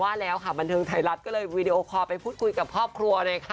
ว่าแล้วค่ะบันเทิงไทยรัฐก็เลยวีดีโอคอลไปพูดคุยกับครอบครัวเลยค่ะ